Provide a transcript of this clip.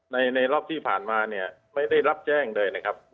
ในรอบที่ผ่านมาเนี่ยไม่ได้รับแจ้งเลยนะครับ